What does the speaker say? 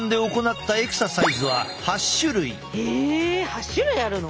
８種類あるの？